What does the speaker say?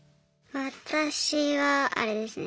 私はあれですね